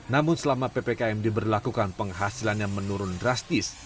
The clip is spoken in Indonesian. namun selama ppkm diberlakukan penghasilannya menurun drastis